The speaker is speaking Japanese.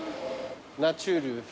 ナチュール。